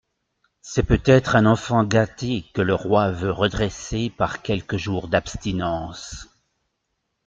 C'est peut-être un enfant gâté que le roi veut redresser par quelques jours d'abstinence.